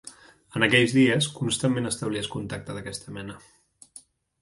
En aquells dies, constantment establies contactes d'aquesta mena.